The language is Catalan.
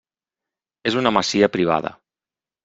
És una masia privada.